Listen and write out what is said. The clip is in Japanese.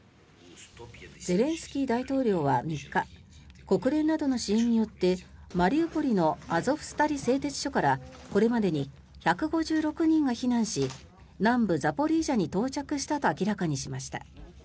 ゼレンスキー大統領は３日国連などの支援によってマリウポリのアゾフスタリ製鉄所からこれまでに１５６人が避難し南部ザポリージャに到着したと明らかにしました。